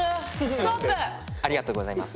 ありがとうございます。